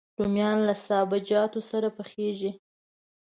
رومیان له سابهجاتو سره پخېږي